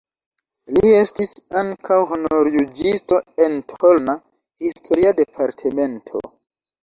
Li estis ankaŭ honorjuĝisto en Tolna (historia departemento).